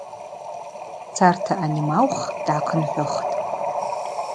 Царта анимаух дгӏахъынхӏвыхтӏ.